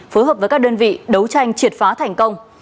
phối hợp với các đơn vị đấu tranh triệt phá thành công